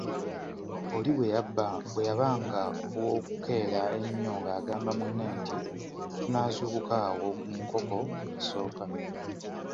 Oli bwe yabanga ow'okukeera ennyo ng'agamba munne nti ,tunaazuukuka awo mu nkoko esooka.